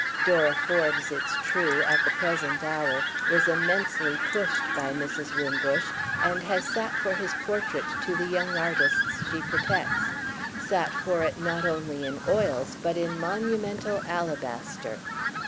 Dora Forbes, it's true, at the present hour, is immensely pushed by Mrs. Wimbush and has sat for his portrait to the young artists she protects, sat for it not only in oils but in monumental alabaster.